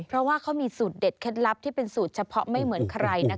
เพราะว่าเขามีสูตรเด็ดเคล็ดลับที่เป็นสูตรเฉพาะไม่เหมือนใครนะคะ